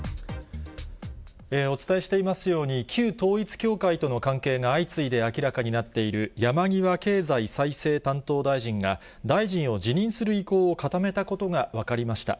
お伝えしていますように、旧統一教会との関係が相次いで明らかになっている、山際経済再生担当大臣が、大臣を辞任する意向を固めたことが分かりました。